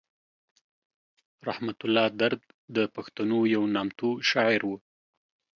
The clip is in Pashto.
رحمت الله درد د پښتنو یو نامتو شاعر و.